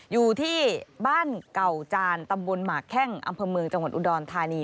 อยู่ที่บ้านเก่าจานตำบลหมากแข้งอำเภอเมืองจังหวัดอุดรธานี